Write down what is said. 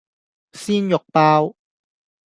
鮮肉包